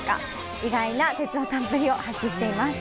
意外な鉄オタっぷりを発揮しています。